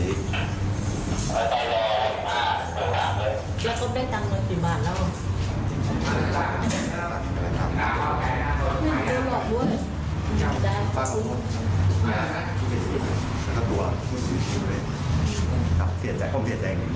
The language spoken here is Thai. แล้วก็ได้ตังค์หน่อยสิบบาทแล้ว